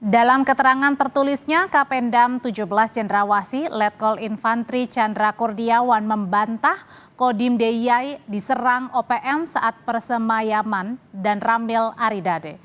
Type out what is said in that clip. dalam keterangan tertulisnya kapendam tujuh belas jendrawasi letkol infantri chandra kurniawan membantah kodim de yai diserang opm saat persemayaman dan ramil aridade